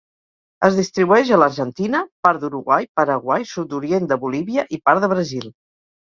Es distribueix a l'Argentina, part d'Uruguai, Paraguai, sud-orient de Bolívia i part de Brasil.